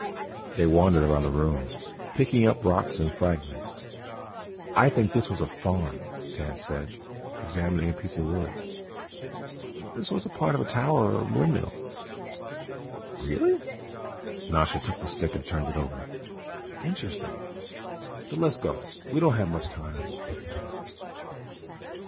They wandered around the ruins, picking up rocks and fragments. "I think this was a farm," Tance said, examining a piece of wood. "This was part of a tower windmill." "Really?" Nasha took the stick and turned it over. "Interesting. But let's go; we don't have much time."